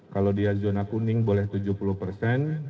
kalau dia zona kuning boleh tujuh puluh persen